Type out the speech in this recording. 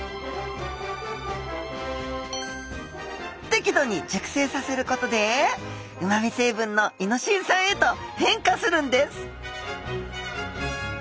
適度に熟成させることでうまみ成分のイノシン酸へと変化するんです